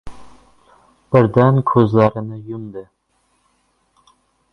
Birdan ko‘zlarini yumdi.